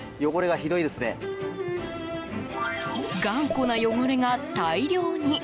頑固な汚れが大量に。